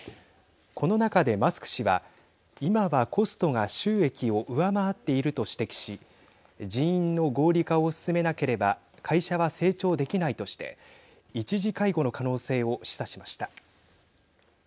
この中で、マスク氏は今はコストが収益を上回っていると指摘し人員の合理化を進めなければ会社は成長できないとして一時解雇の可能性を示唆しました。